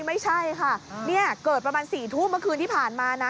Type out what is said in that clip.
ไม่ใช่ค่ะเนี่ยเกิดประมาณ๔ทุ่มเมื่อคืนที่ผ่านมานะ